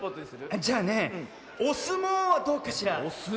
じゃあねおすもうはどうかしら？